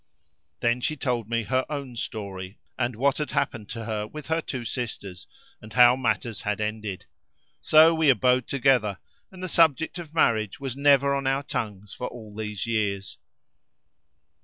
Then she told me her own story, and what had happened to her with her two sisters and how matters had ended; so we abode together and the subject of marriage was never on our tongues for all these years.